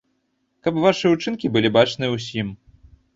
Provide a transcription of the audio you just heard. Каб вашыя ўчынкі былі бачныя ўсім.